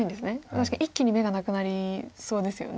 確かに一気に眼がなくなりそうですよね。